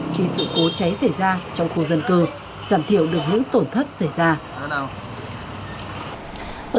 khi sự cố cháy xảy ra trong khu dân cư giảm thiểu được những tổn thất xảy ra